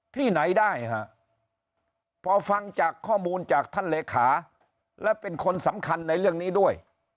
ที่ไหนได้ฮะพอฟังจากข้อมูลจากท่านเลขาและเป็นคนสำคัญในเรื่องนี้ด้วย